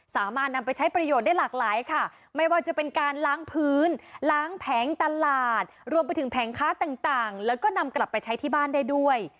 สามารถนำไปใช้ประโยชน์ได้หลากหลายค่ะไม่ว่าจะเป็นการล้างพื้นล้างแผงตลาดรวมไปถึงแผงค้าต่างแล้วก็นำกลับไปใช้ที่บ้านได้ด้วย